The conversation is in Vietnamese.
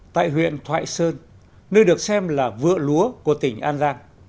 tại huyện thoại sơn nơi được xem là vựa lúa của tỉnh an giang